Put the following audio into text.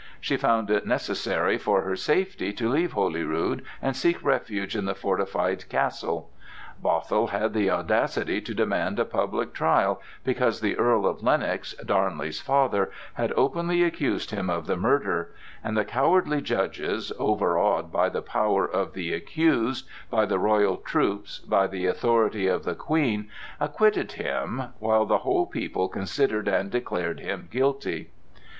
She found it necessary for her safety to leave Holyrood and seek refuge in the fortified castle. Bothwell had the audacity to demand a public trial, because the Earl of Lennox, Darnley's father, had openly accused him of the murder; and the cowardly judges, overawed by the power of the accused, by the royal troops, by the authority of the Queen, acquitted him, while the whole people considered and declared him guilty.